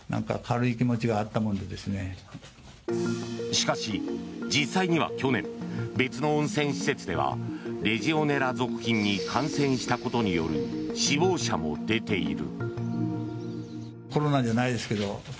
しかし、実際には去年別の温泉施設ではレジオネラ属菌に感染したことによる死亡者も出ている。